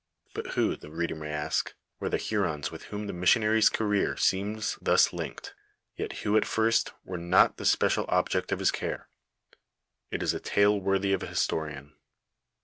But who, the reader may ask, were the Hurons with whom the missionary's career seems thus linked, yet who at fiirst were not the special object of his care. It is a tale worthy of an historian.